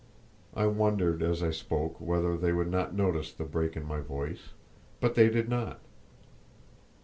I wondered, as I spoke, whether they would not notice the break in my voice, but they did not.